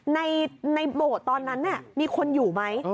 ในโบสถ์ตอนนั้นมีคนอยู่ไหม